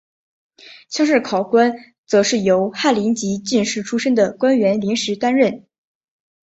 乡试考官则是由翰林及进士出身的官员临时担任。